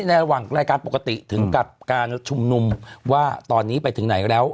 ในระหว่างรายการปกติถึงกับการชุมนุมว่าตอนนี้ไปถึงไหนแล้ว